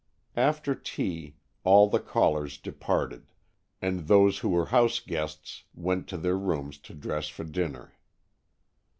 After tea all the callers departed, and those who were house guests went to their rooms to dress for dinner.